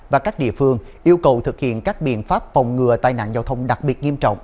và các địa phương yêu cầu thực hiện các biện pháp phòng ngừa tai nạn giao thông đặc biệt nghiêm trọng